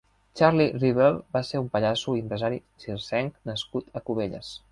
Charlie Rivel va ser un pallasso i empresari circenc nascut a Cubelles.